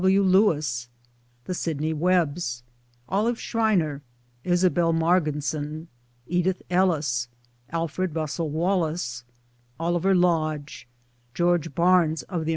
,Wi. Lewis, the Sidney iWebbs, Olive Schreiner, Isabel Margesson, Edith EUis, Alfred Russel Wallace, Oliver Lodge, 'George Barnes of the A.